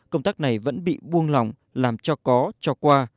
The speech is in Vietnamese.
công tác này vẫn bị buông lỏng làm cho có cho qua